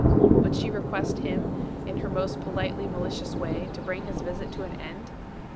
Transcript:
Would she request him, in her most politely malicious way, to bring his visit to an end?